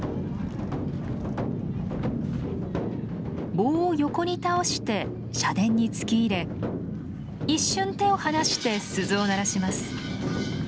棒を横に倒して社殿に突き入れ一瞬手を離して鈴を鳴らします。